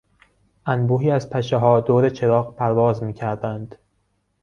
انبوهی از پشهها دور چراغ پرواز میکردند.